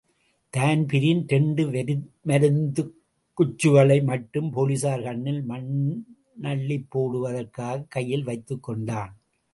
Dan Breen இரண்டு வெடிமருந்துக்குச்சுகளை மட்டும், போலிஸார் கண்ணில் மண்ணள்ளிப்போடுவதற்காகக் கையில் வைத்துக்கொண்டான்.